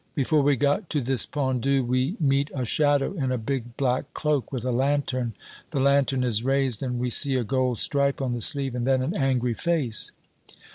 Before we got to this Pendu, we meet a shadow in a big black cloak, with a lantern. The lantern is raised, and we see a gold stripe on the sleeve, and then an angry face.